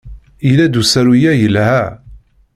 Yella-d usaru-a yelha.